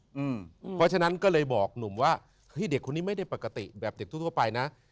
เพราะฉะนั้นก็เลยบอกหนุ่มว่าเฮ้ยเด็กคนนี้ไม่ได้ปกติแบบเด็กทั่วไปนะ